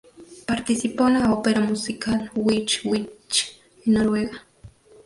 Participó en la ópera musical "Which Witch" en Noruega.